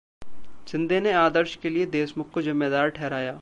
शिंदे ने ‘आदर्श’ के लिए देशमुख को जिम्मेदार ठहराया